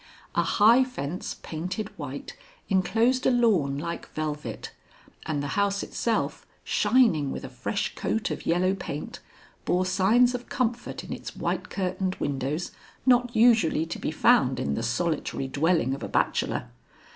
A high fence painted white inclosed a lawn like velvet, and the house itself, shining with a fresh coat of yellow paint, bore signs of comfort in its white curtained windows not usually to be found in the solitary dwelling of a bachelor.